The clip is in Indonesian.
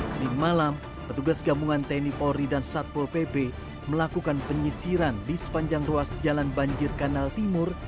senin malam petugas gabungan tni polri dan satpol pp melakukan penyisiran di sepanjang ruas jalan banjir kanal timur